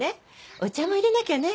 お茶も入れなきゃね。